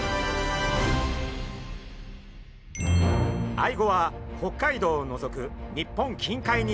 アイゴは北海道を除く日本近海に生息しています。